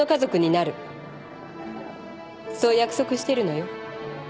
そう約束してるのよ。